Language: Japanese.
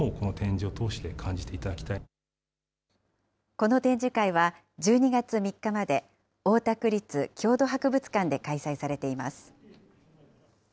この展示会は、１２月３日まで、大田区立郷土博物館で開催されています。